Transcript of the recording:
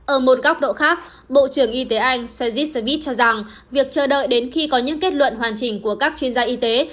ở một góc độ khác bộ trưởng y tế anh sejissebit cho rằng việc chờ đợi đến khi có những kết luận hoàn chỉnh của các chuyên gia y tế